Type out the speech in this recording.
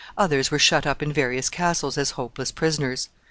Others were shut up in various castles as hopeless prisoners.